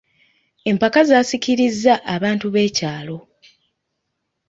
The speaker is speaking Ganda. Empaka zaasikirizza bantu b'ekyalo.